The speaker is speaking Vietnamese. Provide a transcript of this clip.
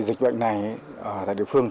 các bệnh lây truyền qua mỗi truyền